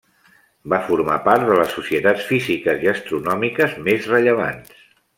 Va formar part de les societats físiques i astronòmiques més rellevants.